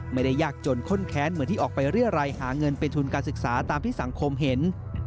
ยากจนข้นแค้นเหมือนที่ออกไปเรียรัยหาเงินเป็นทุนการศึกษาตามที่สังคมเห็น